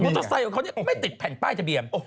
มอเตอร์ไซของเขานี่ไม่ติดแผ่นป้ายทะเบียม